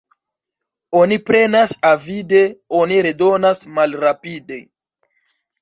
Oni prenas avide, oni redonas malrapide.